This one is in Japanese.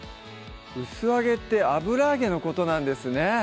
薄揚げって油揚げのことなんですね